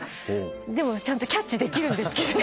でもちゃんとキャッチできるんですけど。